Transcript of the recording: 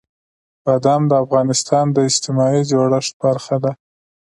بادام د افغانستان د اجتماعي جوړښت برخه ده.